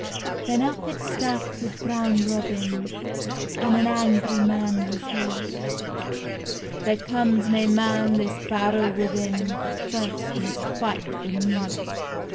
Then up it started Brown Robin, An an angry man was he: "There comes nae man this bowr within But first must fight wi me."